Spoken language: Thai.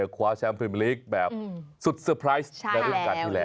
คว้าแชมป์พรีเมอร์ลีกแบบสุดเซอร์ไพรส์ในรุ่นการที่แล้ว